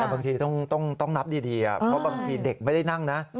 แต่บางทีต้องนับดีเพราะบางทีเด็กไม่ได้นั่งนะ